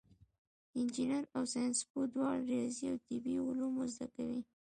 انجینر او ساینسپوه دواړه ریاضي او طبیعي علوم زده کوي.